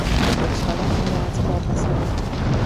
Je členem Umělecké besedy.